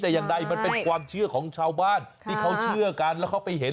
แต่อย่างใดมันเป็นความเชื่อของชาวบ้านที่เขาเชื่อกันแล้วเขาไปเห็น